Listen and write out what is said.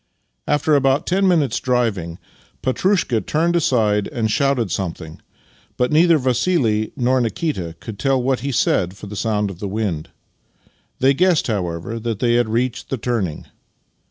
After about ten minutes' driving, Petrushka turned aside and shouted something, but neither Vassih nor Nikita could tell what he said for the sound of the wind. They guessed, however, that they had reached the turning.